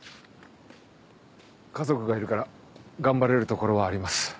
家族がいるから頑張れるところはあります。